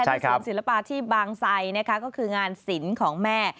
สูตรศิลปะที่บางไซค์นะคะก็คืองานศิลป์ของแม่